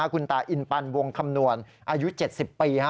คุณตาอินปันวงคำนวณอายุ๗๐ปี